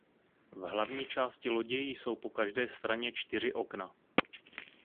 V hlavní části lodi jsou po každé straně čtyři okna.